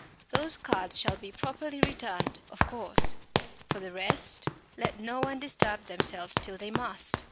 Those cards shall be properly returned, of course. For the rest let no one disturb themselves till they must.